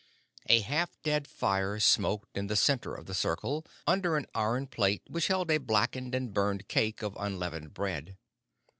A half dead fire smoked in the center of the circle, under an iron plate which held a blackened and burned cake of unleavened bread.